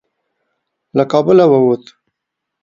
له کابله ووت.